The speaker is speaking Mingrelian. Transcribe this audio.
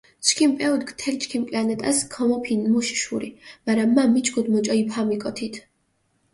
ჩქიმ პეულქ თელ ჩქიმ პლანეტას ქომოფინჷ მუშ შური, მარა მა მიჩქუდჷ მუჭო იბჰამიკო თით.